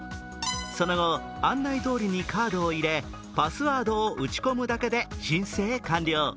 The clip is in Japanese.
その後、案内どおりにカードを入れパスワードを打ち込むだけで申請完了。